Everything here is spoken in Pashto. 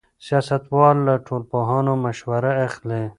سیاستوال له ټولنپوهانو مشوره اخلي.